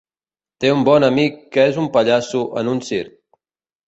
Té un bon amic que és un pallasso en un circ.